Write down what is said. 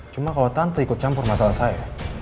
cuma kalau tante ikut campur masalah saya